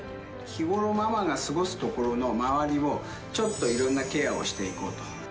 日ごろ、ママが過ごす所の周りを、ちょっといろんなケアをしていこうと。